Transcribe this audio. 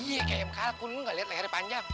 ya iya ke ayam kalkun lu ngeliat lehernya panjang